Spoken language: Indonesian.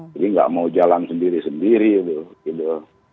jadi nggak mau jalan sendiri sendiri gitu